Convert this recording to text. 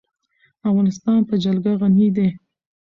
افغانستان په جلګه غني دی.